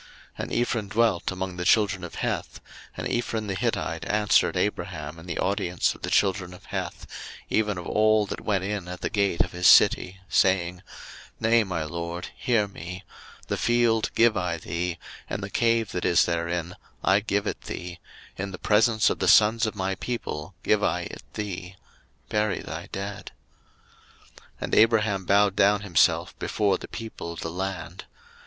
01:023:010 And Ephron dwelt among the children of Heth: and Ephron the Hittite answered Abraham in the audience of the children of Heth, even of all that went in at the gate of his city, saying, 01:023:011 Nay, my lord, hear me: the field give I thee, and the cave that is therein, I give it thee; in the presence of the sons of my people give I it thee: bury thy dead. 01:023:012 And Abraham bowed down himself before the people of the land.